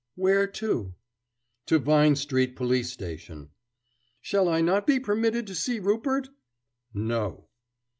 "Where to?" "To Vine Street police station." "Shall I not be permitted to see Rupert?" "No."